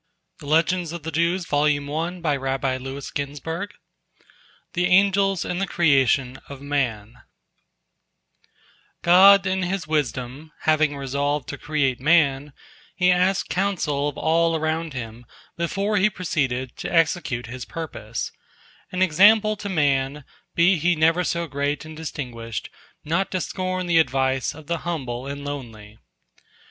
THE ANGELS AND THE CREATION OF MAN God in His wisdom hiving resolved to create man, He asked counsel of all around Him before He proceeded to execute His purpose—an example to man, be he never so great and distinguished, not to scorn the advice of the humble and lowly.